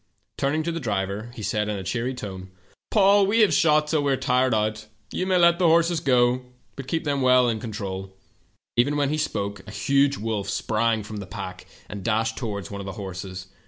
"Turning to the driver, he said, in a cheery tone :"' Paul, we have shot till we are tired out. You may let the horses go, but keep them well in con trol.' "Even while he spoke a huge wolf sprang from the pack and dashed toward one of the horses.